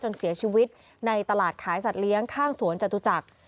เสียชีวิตในตลาดขายสัตว์เลี้ยงข้างสวนจตุจักร